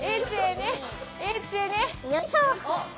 よいしょ！